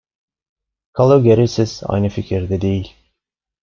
Kalogeresis aynı fikirde değil.